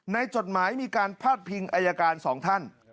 จดหมายมีการพาดพิงอายการสองท่าน